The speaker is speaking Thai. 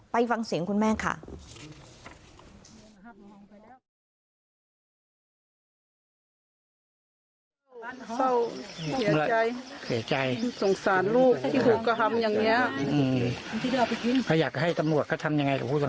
ไปฟังเสียงคุณแม่ค่ะ